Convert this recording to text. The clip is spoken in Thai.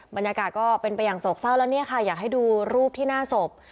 บรรยากาศก็เป็นไปอย่างโศกเศร้าแล้วเนี่ยค่ะอยากให้ดูรูปที่หน้าศพ